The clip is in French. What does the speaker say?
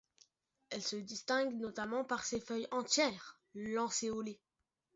Elle se distingue notamment par ses feuilles entières, lancéolées.